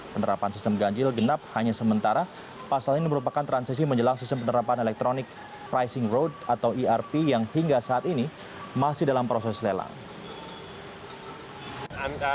penerapan sistem ganjil genap hanya sementara pasal ini merupakan transisi menjelang sistem penerapan elektronik pricing road atau erp yang hingga saat ini masih dalam proses lelang